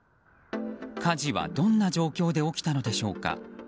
火事はどんな状況で起きたのでしょうか。